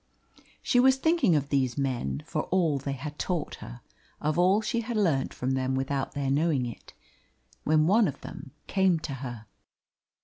She was thinking of these men, for all they had taught her, of all she had learnt from them without their knowing it, when one of them came to her.